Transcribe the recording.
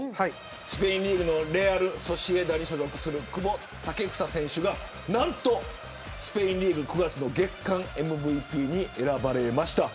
スペインリーグレアル・ソシエダに所属する久保建英選手が何とスペインリーグ９月の月間ＭＶＰに選ばれました。